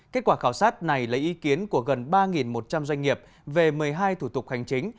kết quả khảo sát này lấy ý kiến của gần ba một trăm linh doanh nghiệp về một mươi hai thủ tục hành chính